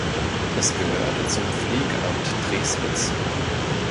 Es gehörte zum Pflegamt Treswitz.